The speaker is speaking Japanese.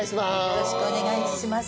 よろしくお願いします。